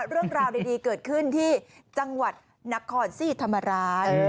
เรื่องราวดีเกิดขึ้นที่จังหวัดนครสีธรรมราช